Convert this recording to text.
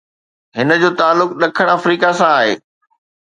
هن جو تعلق ڏکڻ آفريڪا سان آهي.